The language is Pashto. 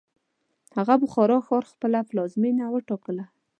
هغه بخارا ښار خپله پلازمینه وټاکله.